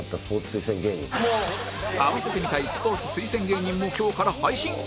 併せて見たいスポーツ推薦芸人も今日から配信